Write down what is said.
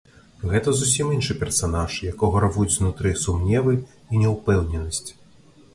Гэта зусім іншы персанаж, якога рвуць знутры сумневы і няўпэўненасць.